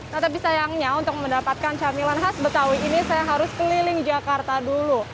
nah tapi sayangnya untuk mendapatkan camilan khas betawi ini saya harus keliling jakarta dulu